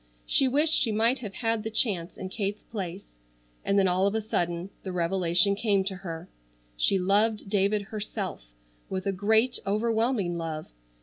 She wished she might have had the chance in Kate's place, and then all of a sudden the revelation came to her. She loved David herself with a great overwhelming love.